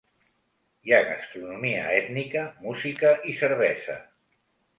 Hi ha gastronomia ètnica, música i cervesa.